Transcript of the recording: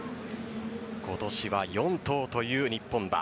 今年は４頭という日本馬。